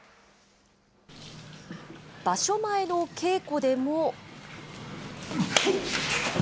場所前の稽古でも。